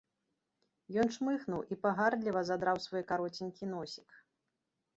Ён чмыхнуў і пагардліва задраў свой кароценькі носік.